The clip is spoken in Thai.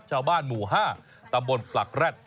ชาวบ้านหมู่๕ตำบลปลักแร็ด